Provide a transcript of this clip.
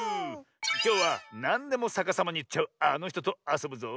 きょうはなんでもさかさまにいっちゃうあのひととあそぶぞ。